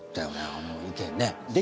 あの意見ね。